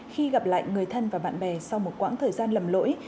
khi gặp lại người thân và bạn bè sau một quãng thời gian lầm lỗi